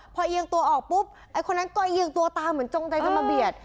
พอเอียงตัวออกปุ๊บไอ้คนนั้นก็เอียงตัวตามเหมือนจงใจจะมาเบียด